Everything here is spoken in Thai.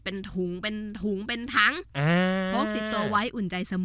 เป็นถุงเป็นถุงเป็นถังพกติดตัวไว้อุ่นใจเสมอ